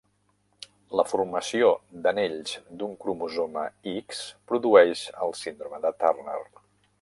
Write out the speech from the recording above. La formació d'anells d'un cromosoma X produeix el síndrome de Turner.